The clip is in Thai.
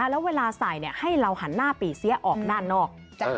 แล้วเวลาใส่ให้เราหันหน้าปีเสียออกด้านนอก